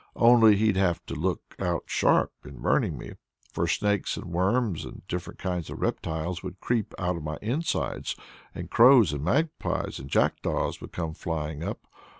Only he'd have to look out sharp in burning me; for snakes and worms and different kinds of reptiles would creep out of my inside, and crows and magpies and jackdaws would come flying up.